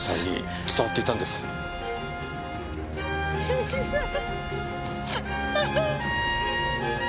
刑事さん。